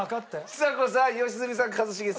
ちさ子さん良純さん一茂さんの。